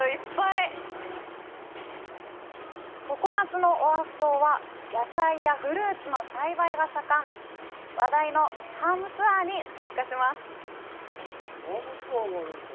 常夏のオアフ島は野菜やフルーツの栽培が盛ん話題のファームツアーに参加します